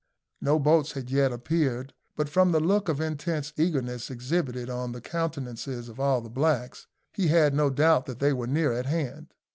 No boats had yet appeared, but from the look of intense eagerness exhibited on the countenances of all the blacks, he had no doubt that they were near at hand.